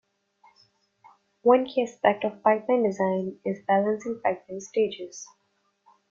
One key aspect of pipeline design is balancing pipeline stages.